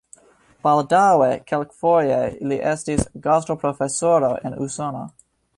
Baldaŭe kelkfoje li estis gastoprofesoro en Usono.